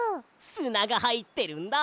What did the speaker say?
すながはいってるんだ！